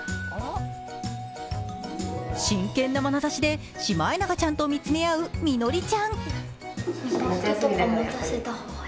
真剣な眼差しで、シマエナガちゃんと見つめ合う、実紀ちゃん。